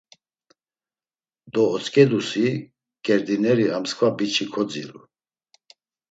Do otzǩedusi ǩerdineri ar mskva biç̌i bere kodziru.